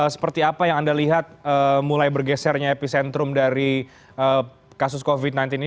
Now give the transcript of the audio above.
seperti apa yang anda lihat mulai bergesernya epicentrum dari kasus covid sembilan belas ini